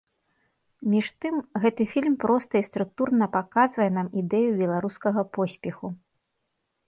Між тым, гэты фільм проста і структурна паказвае нам ідэю беларускага поспеху.